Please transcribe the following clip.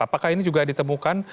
apakah ini juga ditemukan